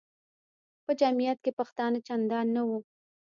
په جمیعت کې پښتانه چندان نه وو.